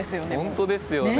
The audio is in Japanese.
本当ですよね。